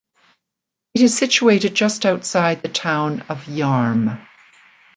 It is situated just outside the town of Yarm.